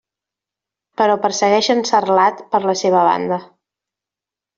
Però persegueixen Sarlat per la seva banda.